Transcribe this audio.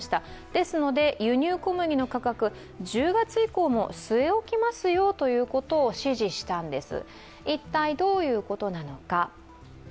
ですので、輸入小麦の価格１０月以降も据え置きますよということを指示したんです。